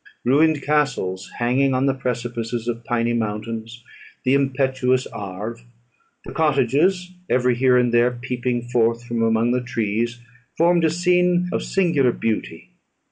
Ruined castles hanging on the precipices of piny mountains; the impetuous Arve, and cottages every here and there peeping forth from among the trees, formed a scene of singular beauty.